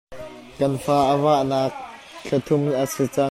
Kan fa a vah nak thlathum a si cang.